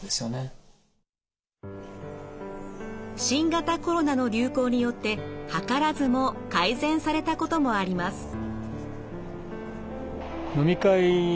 新型コロナの流行によって図らずも改善されたこともあります。